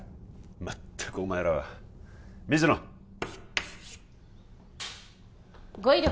まったくお前らは水野語彙力